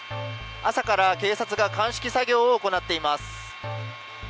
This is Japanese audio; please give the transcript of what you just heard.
朝から警察が鑑識作業を行っています。